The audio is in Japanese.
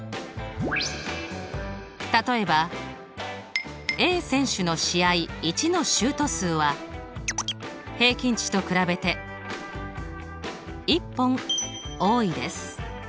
例えばＡ選手の試合①のシュート数は平均値と比べて１本多いです。